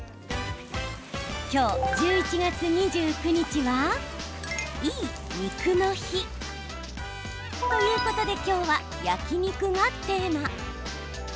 今日１１月２９日はイイニクの日！ということで今日は焼き肉がテーマ。